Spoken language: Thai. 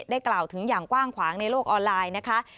กล่าวถึงอย่างกว้างขวางในโลกออนไลน์นะคะ